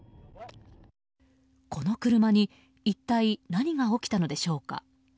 この車に一体何が起きたのでしょうか。